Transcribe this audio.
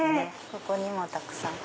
ここにもたくさん。